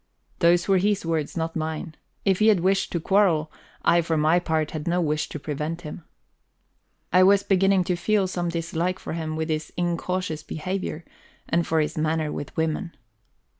Those were his words, not mine; if he had wished to quarrel, I for my part had no wish to prevent him. I was beginning to feel some dislike for him for his incautious behavior, and for his manner with women.